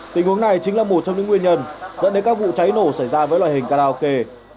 tình huống này chính là một trong những nguyên nhân dẫn đến các vụ cháy nổ xảy ra với loại hình karaoke